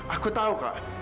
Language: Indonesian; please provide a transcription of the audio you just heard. aku tau kak